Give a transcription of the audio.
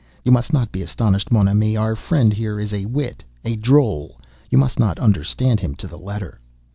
You must not be astonished, mon ami; our friend here is a wit—a drôle—you must not understand him to the letter."